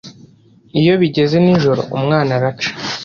Iyo bigeze nijoro umwana araca,